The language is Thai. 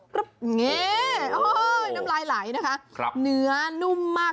อย่างเนี้ยโอ้โหน้ำลายไหลนะคะครับเนื้อนุ่มมาก